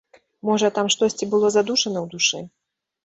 Можа, там штосьці было задушана ў душы?